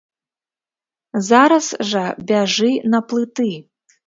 Зараз жа бяжы на плыты.